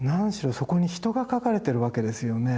そこに人が描かれているわけですよね。